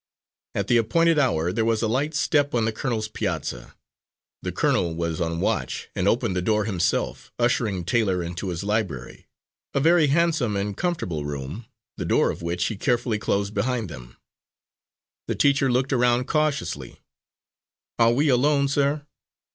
At the appointed hour there was a light step on the colonel's piazza. The colonel was on watch, and opened the door himself, ushering Taylor into his library, a very handsome and comfortable room, the door of which he carefully closed behind them. The teacher looked around cautiously. "Are we alone, sir?"